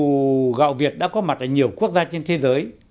dù gạo việt đã có mặt ở nhiều quốc gia trên thế giới